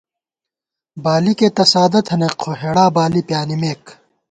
بالِکے تہ سادہ تھنَئیک، خو ہېڑا بالی پیانِمېک